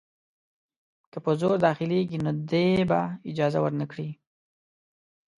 که په زور داخلیږي نو دی به اجازه ورنه کړي.